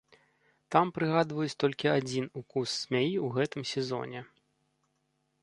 Там прыгадваюць толькі адзін укус змяі ў гэтым сезоне.